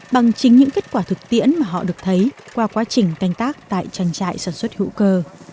bằng chính những kết quả thực tiễn mà họ được thấy qua quá trình canh tác tại tranh trại sản xuất hữu cơ